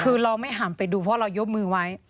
คือเราไม่หันไปดูเพราะเรายกมือไว้